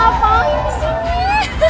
eh ngapain disini